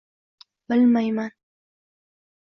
-Bilmayman.